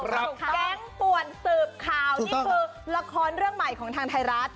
แก๊งปว่นสืบข่าวระครเรื่องใหม่ของธรรมไทยรัฐ